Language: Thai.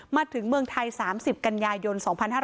มาถึงเมืองไทย๓๐กันยายน๒๕๕๙